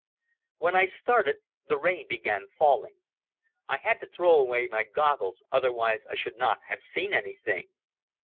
When I started the rain began falling. I had to throw away my goggles, otherwise I should not have seen anything.